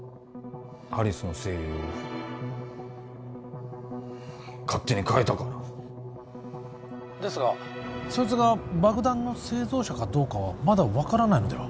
アリスの声優を勝手にかえたからですがそいつが爆弾の製造者かどうかはまだ分からないのでは？